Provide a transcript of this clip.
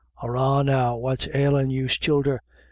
"Arrah now, what's ailin' yous childer?"